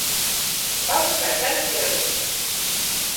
Pavasara gadatirgus